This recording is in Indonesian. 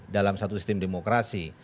dalam satu sistem demokrasi